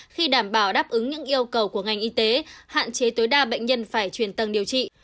khi đảm bảo đáp ứng những yêu cầu của ngành y tế hạn chế tối đa bệnh nhân phải chuyển tầng điều trị